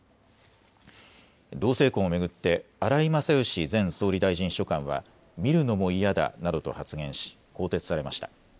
同性婚を巡って荒井勝喜前総理大臣秘書官は見るのも嫌だなどと発言し更迭されました。